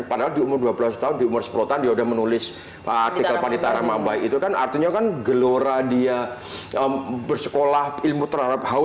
padahal di umur dua belas tahun di umur sepuluh tahun dia udah menulis artikel panita ramaba itu kan artinya kan gelora dia bersekolah ilmu terhadap haus